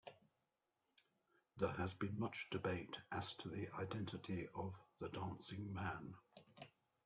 There has been much debate as to the identity of the dancing man.